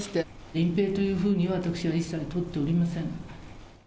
隠ぺいというふうには私は一切取っておりません。